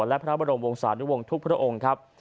และพระบรมวงศานุวงศ์ทุกพระองค์ครับ